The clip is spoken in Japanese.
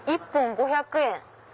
１本５００円」！